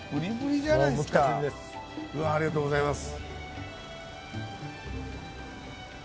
うわっありがとうございます。